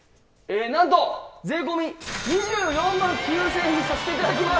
なんと税込２４万９０００円にさせて頂きます！